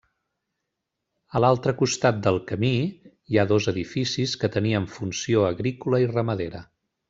A l'altre costat del camí hi ha dos edificis que tenien funció agrícola i ramadera.